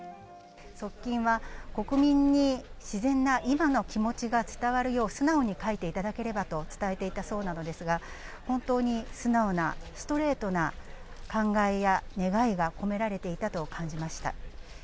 側近は国民に自然な今の気持ちが伝わるよう、素直に書いていただければと伝えていたそうなのですが、本当に素直な、ストレートな感慨や願いが込められていたと感じました。